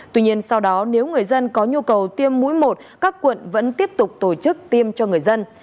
tuy nhiên sau đó nếu người dân có nhu cầu tiêm mũi một các quận vẫn tiếp tục tổ chức tiêm cho người dân